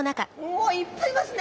おおいっぱいいますね。